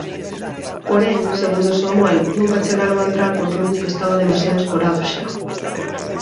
Porén, segundo Samuel, nunca chegaron a entrar porque o buque estaba demasiado escorado xa.